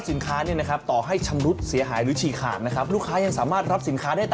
นี่พอควักสลากออกมาเท่านั้นแหละสลากนี่ปุ๋ยยุ้ย